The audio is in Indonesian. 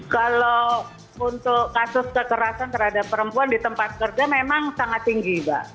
kalau untuk kasus kekerasan terhadap perempuan di tempat kerja memang sangat tinggi mbak